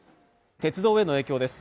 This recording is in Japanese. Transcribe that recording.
鉄道への影響です